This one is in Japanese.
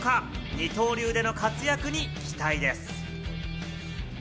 二刀流での活躍に期待です。